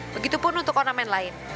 begitu pun untuk ornamen lain